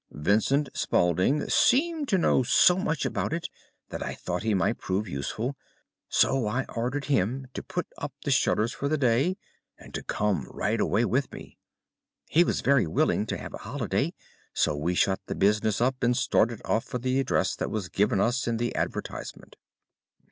Vincent Spaulding seemed to know so much about it that I thought he might prove useful, so I just ordered him to put up the shutters for the day and to come right away with me. He was very willing to have a holiday, so we shut the business up and started off for the address that was given us in the advertisement.